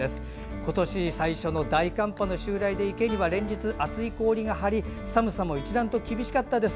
今年初の大寒波の襲来で池には連日、厚い氷が張り寒さも一段と厳しかったです。